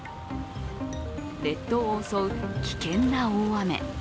列島を襲う危険な大雨。